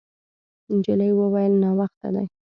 نجلۍ وویل: «ناوخته دی.»